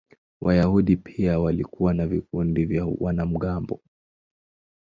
Wayahudi pia walikuwa na vikundi vya wanamgambo.